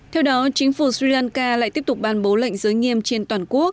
theo đó chính phủ sri lanka lại tiếp tục ban bố lệnh giới nghiêm trên toàn quốc